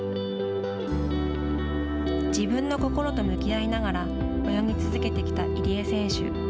自分の心と向き合いながら泳ぎ続けてきた入江選手。